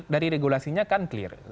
dari regulasinya kan clear